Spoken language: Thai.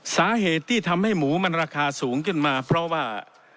สาเหตุที่ทำให้หมูมันราคาสูงขึ้นมาเพราะว่า